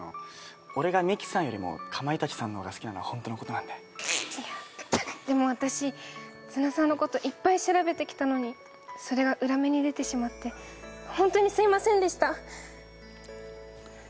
俺がミキさんよりもかまいたちさんの方が好きなのは本当のことなんででも私綱さんのこといっぱい調べてきたのにそれが裏目に出てしまって本当にすいませんでした